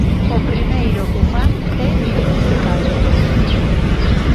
O primeiro que fan é identificalo.